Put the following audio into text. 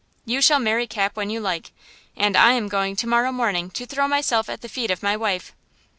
You shall marry Cap when you like. And I am going to morrow morning to throw myself at the feet of my wife."